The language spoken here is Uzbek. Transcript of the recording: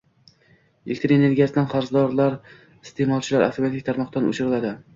Elektr energiyasidan qarzdor iste’molchilar avtomatik tarmoqdan o‘chiriladi